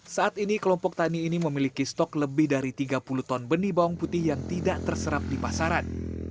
saat ini kelompok tani ini memiliki stok lebih dari tiga puluh ton benih bawang putih yang tidak terserap di pasaran